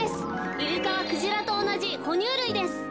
イルカはクジラとおなじほにゅうるいです。